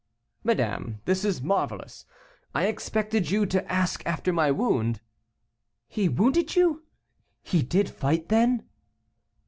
"Madame, this is marvelous. I expected you to ask after my wound " "He wounded you; he did fight, then?"